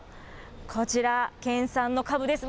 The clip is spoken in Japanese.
こちら、県産のかぶです。